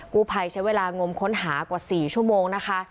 กู้ภัยใช้เวลางมค้นหากว่า๔ชั่วโมงนะคะ